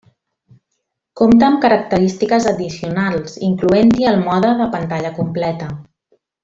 Compta amb característiques addicionals, incloent-hi el mode de pantalla completa.